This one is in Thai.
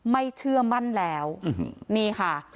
เชื่อมั่นแล้วนี่ค่ะ